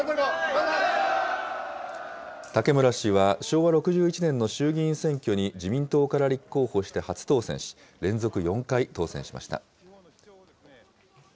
武村氏は、昭和６１年の衆議院選挙に自民党から立候補して初当選し、連続４回当選しました。